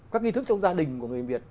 các nghi thức trong gia đình của người việt